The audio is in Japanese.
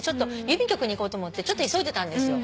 郵便局に行こうと思ってちょっと急いでたんですよ。